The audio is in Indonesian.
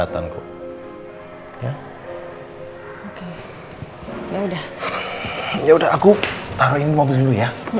tante kalau begitu